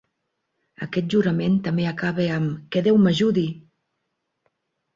Aquest jurament també acaba amb "Que Déu m"ajudi!"